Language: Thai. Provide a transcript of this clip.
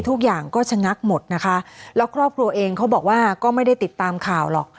ทุกอย่างก็ชะงักหมดนะคะแล้วครอบครัวเองเขาบอกว่าก็ไม่ได้ติดตามข่าวหรอก